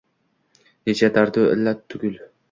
Necha dardu illat tugul